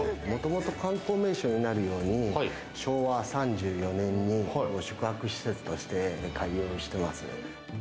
もともと観光名所になるように、昭和３４年に宿泊施設として開業してます。